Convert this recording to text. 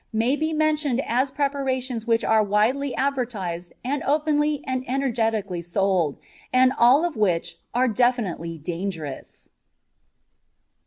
may be mentioned as preparations which are widely advertised and openly and energetically sold, and all of which are definitely dangerous.